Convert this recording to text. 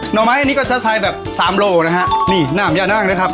่อไม้อันนี้ก็จะใช้แบบสามโลนะฮะนี่น้ำยานั่งนะครับ